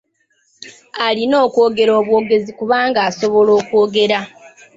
Alina kwogera bwogezi kubanga asobola okwogera.